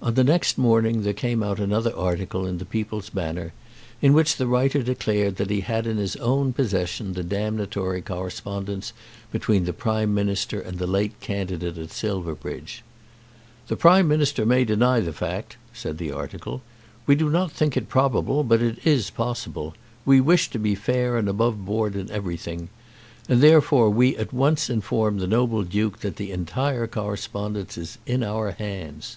On the next morning there came out another article in the "People's Banner," in which the writer declared that he had in his own possession the damnatory correspondence between the Prime Minister and the late candidate at Silverbridge. "The Prime Minister may deny the fact," said the article. "We do not think it probable, but it is possible. We wish to be fair and above board in everything. And therefore we at once inform the noble Duke that the entire correspondence is in our hands."